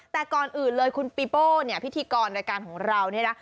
แต่ก่อนอื่นเลยคุณปีโป้เนี่ยพิธีกรรายการของเราเนี่ยนะ